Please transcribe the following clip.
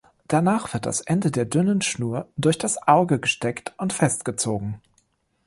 Danach wird das Ende der dünnen Schnur durch das Auge gesteckt und festgezogen.